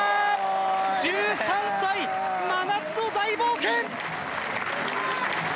１３歳、真夏の大冒険！